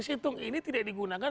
situng ini tidak digunakan